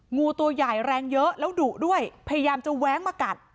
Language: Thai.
งูตัวใหญ่แรงเยอะแล้วดุด้วยพยายามจะแว้งมากัด